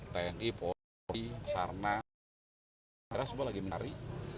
tni polri sarna kera semua lagi mencari